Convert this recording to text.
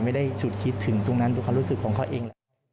ไม่ได้ฉุดคิดถึงตรงนั้นดูความรู้สึกของเขาเองแหละ